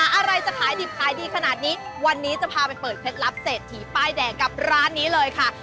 อะไรจะขายดิบขายดีขนาดนี้วันนี้จะพาไปเปิดเคล็ดลับเศรษฐีป้ายแดงกับร้านนี้เลยค่ะ